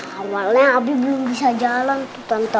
awalnya abi belum bisa jalan tuh tante